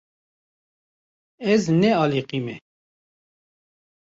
Ez nealiqîme.